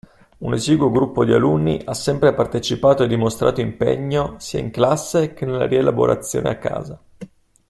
Un esiguo gruppo di alunni ha sempre partecipato e dimostrato impegno sia in classe che nella rielaborazione a casa.